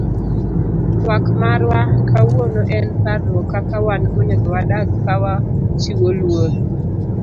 Twak marwa kawuono en parrouk kaka wan onego wadak kawachiwo luor.